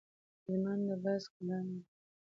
هلمند د بست کلا لري